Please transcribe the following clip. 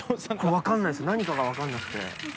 わかんないす、何かが分かんなくて。